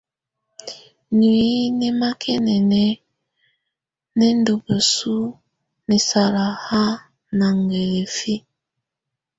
Nuiyi nɛ makɛnɛnɛ nɛndɔ bəsu nɛsala ha nə gələfiə.